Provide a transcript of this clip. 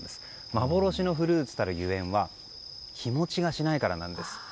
幻のフルーツたるゆえんは日持ちがしないからなんです。